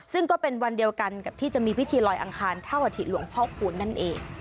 ซึ่งก็เป็นวันเดียวกันกับที่จะมีพิธีลอยอังคารเท่าอาทิตยหลวงพ่อคูณนั่นเอง